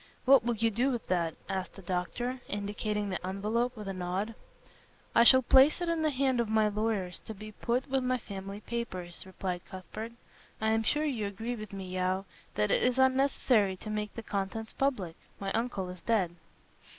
"What will you do with that?" asked the doctor, indicating the envelope with a nod. "I shall place it in the hand of my lawyers to be put with family papers," replied Cuthbert. "I am sure you agree with me, Yeo, that it is unnecessary to make the contents public. My uncle is dead."